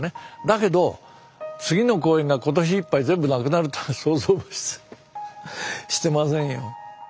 だけど次の公演が今年いっぱい全部なくなるとは想像もしてませんよ。